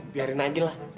biarin aja lah